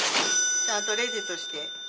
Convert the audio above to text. ちゃんとレジとして。